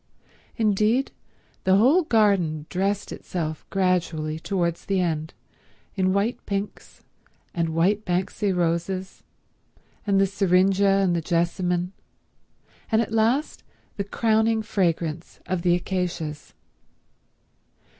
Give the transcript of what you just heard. Indeed, the whole garden dressed itself gradually towards the end in white pinks and white banksai roses, and the syringe and the Jessamine, and at last the crowning fragrance of the acacias.